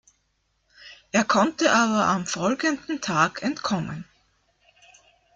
Er konnte aber am folgenden Tag entkommen.